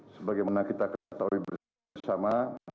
sebagai mana kita ketahui bersama